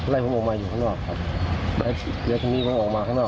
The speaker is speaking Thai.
ไล่ผมออกมาอยู่ข้างนอกครับเดี๋ยวที่นี่ผมออกมาข้างนอก